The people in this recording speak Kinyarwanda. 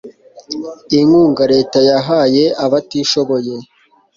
inkunga leta yahaye abatishoboye